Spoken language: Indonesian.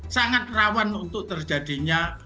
sangat rawan untuk terjadinya